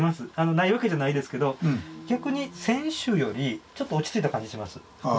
ないわけじゃないですけど逆に先週よりちょっと落ち着いた感じします腹水。